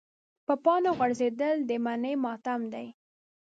د پاڼو غورځېدل د مني ماتم دی.